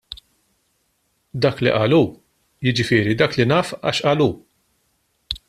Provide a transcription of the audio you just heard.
Dak li qal hu, jiġifieri dak li naf għax qal hu.